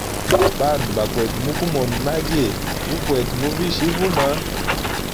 Bandu, bakwete mukumona nage gukwete muvisha ivuma.